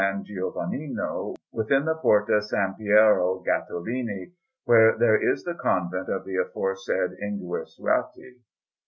Giovannino, within the Porta S. Piero Gattolini, where there is the Convent of the aforesaid Ingesuati.